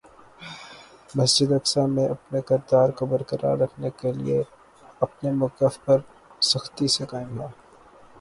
مسجد اقصیٰ میں اپنے کردار کو برقرار رکھنے کے لیے اپنے مؤقف پر سختی سے قائم ہے-